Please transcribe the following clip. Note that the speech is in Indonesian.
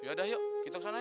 yaudah yuk kita ke sana ya